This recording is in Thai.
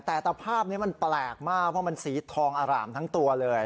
แต่ตะภาพนี้มันแปลกมากเพราะมันสีทองอร่ามทั้งตัวเลย